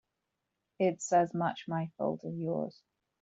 It's as much my fault as yours.